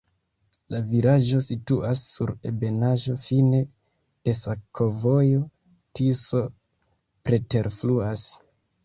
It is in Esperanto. La vilaĝo situas sur ebenaĵo, fine de sakovojo, Tiso preterfluas.